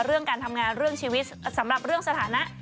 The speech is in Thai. เรื่องการทำงานเรื่องชีวิตสำหรับเรื่องสถานะ